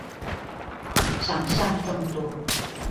想像更多